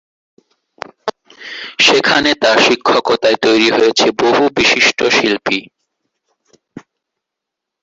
সেখানে তার শিক্ষকতায় তৈরী হয়েছেন বহু বিশিষ্ট শিল্পী।